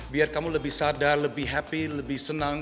biar kamu lebih sadar lebih happy lebih senang